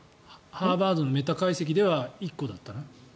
ハーバードのメタ解析では１個だったな。